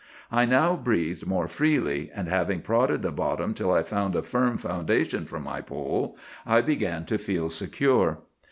I now breathed more freely; and having prodded the bottom till I found a firm foundation for my pole, I began to feel secure.